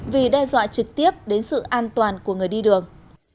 vì đe dọa trực tiếp đến sự an toàn của người đi đường